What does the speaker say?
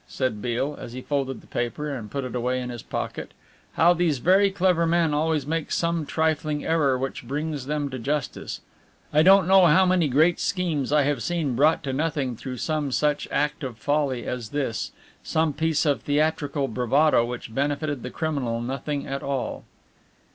said Beale, as he folded the paper and put it away in his pocket, "how these very clever men always make some trifling error which brings them to justice. I don't know how many great schemes I have seen brought to nothing through some such act of folly as this, some piece of theatrical bravado which benefited the criminal nothing at all."